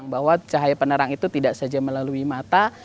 bahwa cahaya penerang itu tidak saja melalui mata